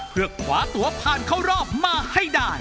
เพื่อขวาตัวผ่านเข้ารอบมาให้ได้